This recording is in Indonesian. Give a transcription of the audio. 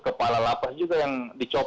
kepala lapas juga yang dicopot